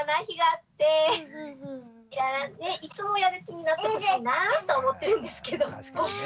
いつもやる気になってほしいなと思ってるんですけど。